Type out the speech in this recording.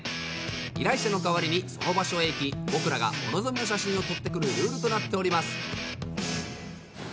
依頼者の代わりにその場所へ行き僕らがお望みの写真を撮ってくるルールとなっております。